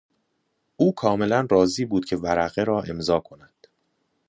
او کاملا راضی بود که ورقه را امضا کند.